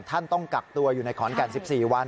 ต้องกักตัวอยู่ในขอนแก่น๑๔วัน